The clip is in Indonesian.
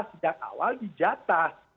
sudah awal di jatah